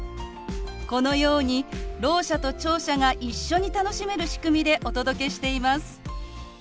このようにろう者と聴者が一緒に楽しめる仕組みでお届けしています。